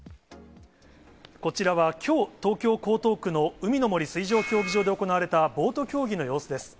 こちらはきょう、東京・江東区の海の森水上競技場で行われた、ボート競技の様子です。